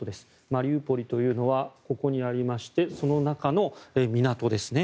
マリウポリというのはここにありましてその中の港ですね。